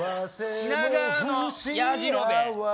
品川の「やじろべえ」。